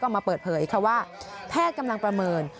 ออกมาเปิดเผยค่ะว่าแพทย์กำลังประเมิน